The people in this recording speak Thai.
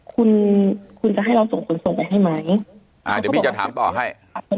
คุณคุณจะให้เราส่งขนส่งไปให้ไหมอ่าเดี๋ยวพี่จะถามต่อให้